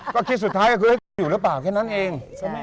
ก็คิดสุดท้ายก็คืออยู่หรือเปล่าแค่นั้นเอง